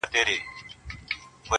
چي فلک به کوږ ورګوري دښمن زما دی؛